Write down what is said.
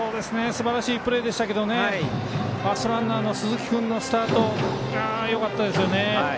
すばらしいプレーでしたけどファーストランナーの鈴木君のスタートよかったですね。